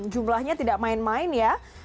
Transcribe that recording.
jumlahnya tidak main main ya